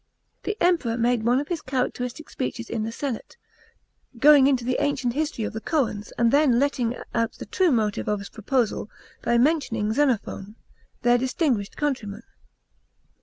The Emperor made one of his characteristic speeches in the senate, going into the ancient history of the Coans, and then letting out the true motive of his proposal by mentioning: Xenophon, their distinguished countryman.